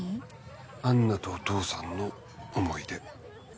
アンナとお父さんの思い出。